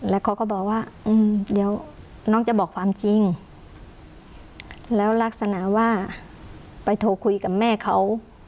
แล้วเขาก็บอกว่าเดี๋ยวน้องจะบอกความจริงแล้วลักษณะว่าไปโทรคุยกับแม่เขา